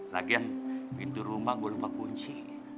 lagian pintu rumah gue lupa kunci